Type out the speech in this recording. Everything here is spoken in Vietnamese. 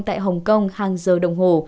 tại hồng kông hàng giờ đồng hồ